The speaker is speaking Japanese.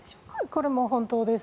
これも本当です。